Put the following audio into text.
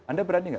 anda berani nggak